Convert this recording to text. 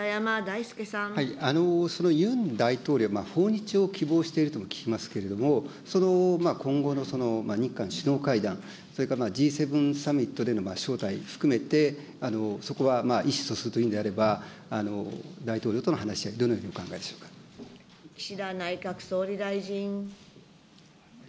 そのユン大統領、訪日を希望しているとも聞きますけれども、今後の日韓首脳会談、それからＧ７サミットでの招待を含めて、そこは意思疎通というのであれば、大統領との話し合い、どのように岸田内閣総理大臣。